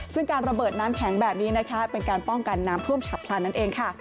ซึ่งการระเบิดน้ำแข็งแบบนี้นะคะเป็นการป้องกันน้ำท่วมฉับพลันนั่นเองค่ะ